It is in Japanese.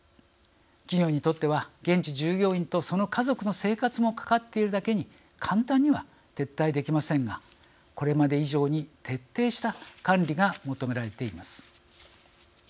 企業にとっては現地従業員とその家族の生活もかかっているだけに簡単には撤退できませんがこれまで以上に徹底した管理が求められています。